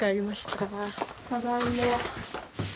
ただいま。